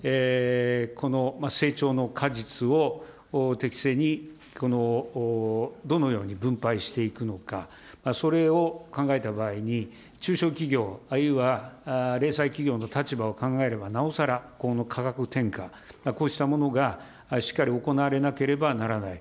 この成長の果実を適正にどのように分配していくのか、それを考えた場合に、中小企業、あるいは零細企業の立場を考えればなおさら、この価格転嫁、こうしたものがしっかり行われなければならない。